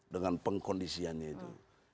dengan pengkondisiannya itu